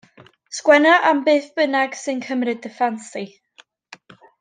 Sgwenna am beth bynnag sy'n cymryd dy ffansi.